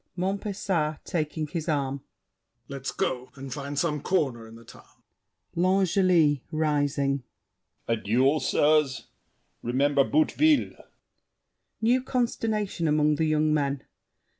MONTPESAT (taking his arm). Let's go and find some corner in the town. L'ANGELY (rising). A duel, sirs? Remember Boutteville. [New consternation among the young men.